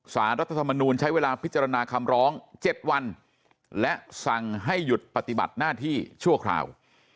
รัฐธรรมนูญใช้เวลาพิจารณาคำร้อง๗วันและสั่งให้หยุดปฏิบัติหน้าที่ชั่วคราว